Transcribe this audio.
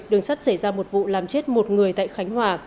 đường sắt xảy ra một vụ làm chết một người tại khánh hòa